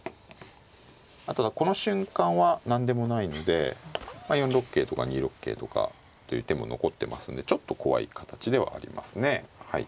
ただこの瞬間は何でもないので４六桂とか２六桂とかという手も残ってますんでちょっと怖い形ではありますね。